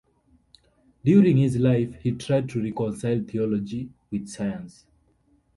During his life he tried to reconcile theology with science.